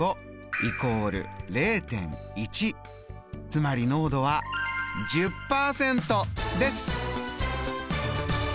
つまり濃度は１０％です！